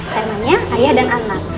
temanya ayah dan anak